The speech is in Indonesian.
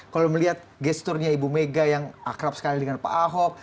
kalau melihat gesturnya ibu mega yang akrab sekali dengan pak ahok